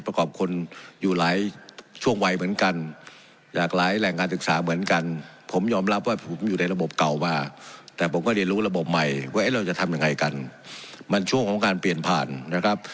เราจะทำยังไงกันมันช่วงของการเปลี่ยนผ่านนะครับ